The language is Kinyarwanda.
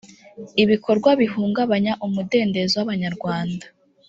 ibikorwa bihungabanya umudendezo w abanyarwanda